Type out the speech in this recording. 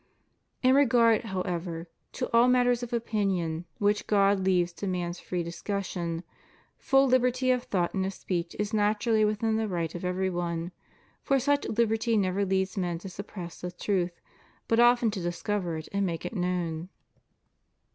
In regard, however, to all matters of opinion which God leaves to man's free discussion, full liberty of thought and of speech is naturally wdthin the right of every one; for such liberty never leads men to suppress the truth, but often to dis cover it and make it known.